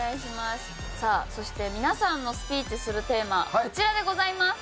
さあそして皆さんのスピーチするテーマこちらでございます。